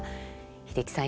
英樹さん